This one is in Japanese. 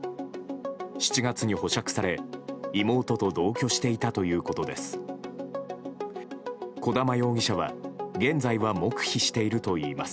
７月に保釈され、妹と同居していたということです。